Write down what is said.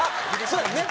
そうやんね。